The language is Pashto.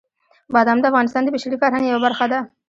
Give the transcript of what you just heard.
بادام د افغانستان د بشري فرهنګ یوه برخه ده.